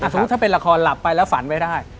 สมมุติถ้าเป็นละครหลับไปแล้วฝันไว้ได้